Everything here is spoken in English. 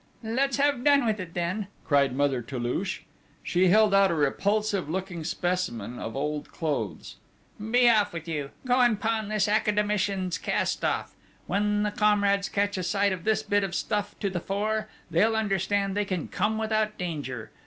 "Let's have done with it, then," cried Mother Toulouche. She held out a repulsive looking specimen of old clothes: "Be off with you! Go and pawn this academician's cast off! When the comrades catch a sight of this bit of stuff to the fore, they'll understand they can come without danger!...